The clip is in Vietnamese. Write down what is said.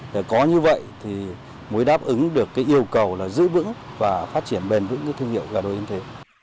để có như vậy thì mới đáp ứng được cái yêu cầu là giữ vững và phát triển bền vững cái thương hiệu gà đồi y tế